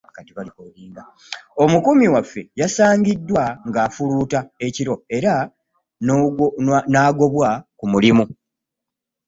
Omukuumi waffe yasangiddwa ng'afuluuta ekiro era n'agobwa ku mulimu.